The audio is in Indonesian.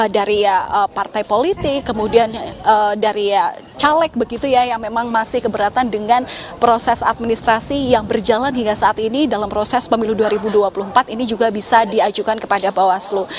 dari partai politik kemudian dari caleg begitu ya yang memang masih keberatan dengan proses administrasi yang berjalan hingga saat ini dalam proses pemilu dua ribu dua puluh empat ini juga bisa diajukan kepada bawaslu